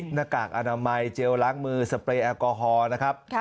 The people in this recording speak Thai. หน้ากากอนามัยเจลล้างมือสเปรย์แอลกอฮอล์นะครับ